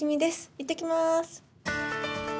いってきます。